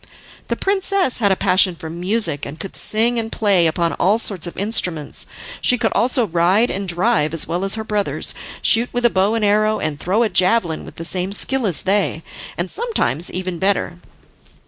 The princess had a passion for music, and could sing and play upon all sorts of instruments she could also ride and drive as well as her brothers, shoot with a bow and arrow, and throw a javelin with the same skill as they, and sometimes even better.